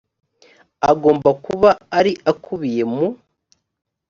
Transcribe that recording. agomba kuba ari akubiye mu